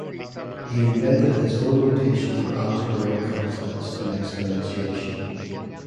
He invented his own notation for algebraic concepts and exponentiation.